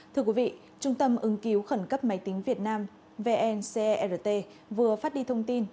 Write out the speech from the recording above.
thưa quý vị trung tâm ứng cứu khẩn cấp máy tính việt nam vncrt vừa phát đi thông tin